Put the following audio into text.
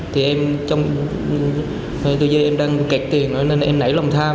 thì em trong thời gian em đang kẹt tiền rồi nên em nảy lòng tham